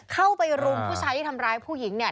เข้าไปรุมผู้ชายที่ทำร้ายผู้หญิงเนี่ย